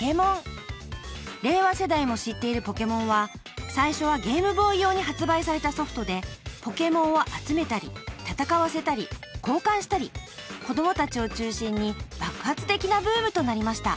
［令和世代も知っている『ポケモン』は最初はゲームボーイ用に発売されたソフトでポケモンを集めたり戦わせたり交換したり子供たちを中心に爆発的なブームとなりました］